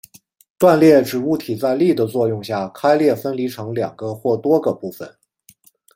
断裂指物体在力的作用下开裂分离成两个或多个部分。